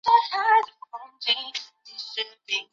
查理拿了克莱尔最爱的花生酱给她。